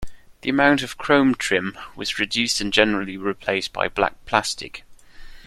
The amount of chrome trim was reduced and generally replaced by black plastic.